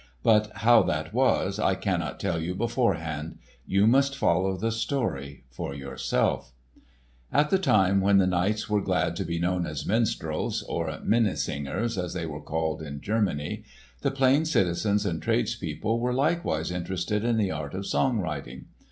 But how that was, I cannot tell you beforehand. You must follow the story for yourself. At the time when the knights were glad to be known as minstrels—or "minnesingers," as they were called in Germany—the plain citizens and tradespeople were likewise interested in the art of song writing.